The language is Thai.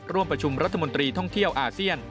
ร่วมประชุมรัฐมนตรีท่องเที่ยวอาเซียน